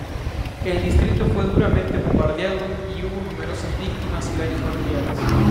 El distrito fue duramente bombardeado y hubo numerosas víctimas y daños materiales.